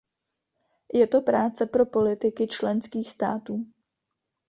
Je to práce pro politiky členských států.